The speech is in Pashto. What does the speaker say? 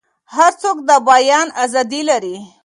هر څوک د بیان ازادي لري.